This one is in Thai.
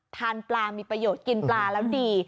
ทานปลามีประโยชน์กินปลาแล้วดี